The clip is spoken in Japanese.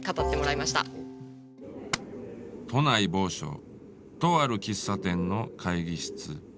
都内某所とある喫茶店の会議室。